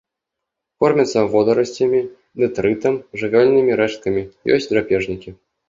Кормяцца водарасцямі, дэтрытам, жывёльнымі рэшткамі, ёсць драпежнікі.